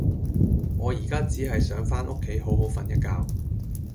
我依家只係想返屋企好好訓一覺